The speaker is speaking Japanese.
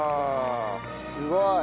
すごい。